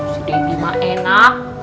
si deni mah enak